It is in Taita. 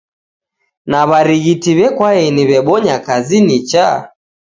Na w'arighiti w'ekwaeni w'ebonya kazi nicha?